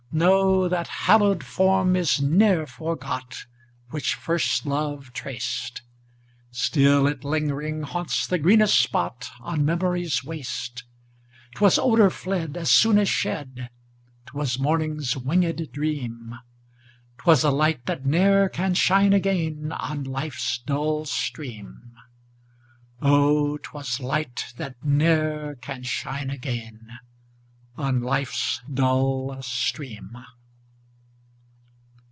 No, that hallowed form is ne'er forgot Which first love traced; Still it lingering haunts the greenest spot On memory's waste. 'Twas odor fled As soon as shed; 'Twas morning's winged dream; 'Twas a light, that ne'er can shine again On life's dull stream: Oh! 'twas light that ne'er can shine again On life's dull stream.